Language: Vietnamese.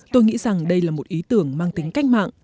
tôi nghĩ rằng đây là một ý tưởng mang tính cách mạng